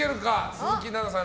鈴木奈々さん